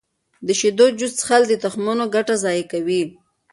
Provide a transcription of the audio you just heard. د شیدو جوس څښل د تخمونو ګټه ضایع کوي.